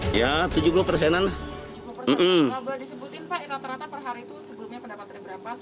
kalau boleh disebutin pak rata rata per hari itu sebelumnya pendapatannya berapa